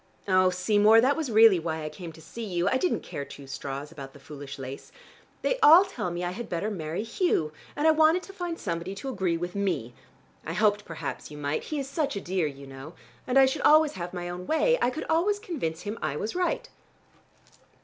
Oh, Seymour, that was really why I came to see you. I didn't care two straws about the foolish lace. They all tell me I had better marry Hugh, and I wanted to find somebody to agree with me. I hoped perhaps you might. He is such a dear, you know, and I should always have my own way: I could always convince him I was right."